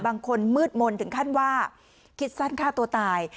บางคนมืดมนต์ถึงขั้นว่าคิดสั้นฆ่าตัวตาย